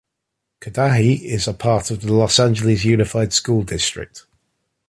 Cudahy is a part of the Los Angeles Unified School District.